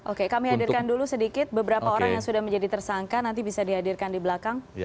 oke kami hadirkan dulu sedikit beberapa orang yang sudah menjadi tersangka nanti bisa dihadirkan di belakang